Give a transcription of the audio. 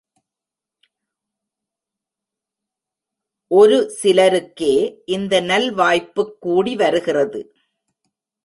ஒருசிலருக்கே இந்த நல்வாய்ப்புக் கூடி வருகிறது.